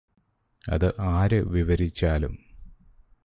അത് ആര് വിവരിച്ചാലും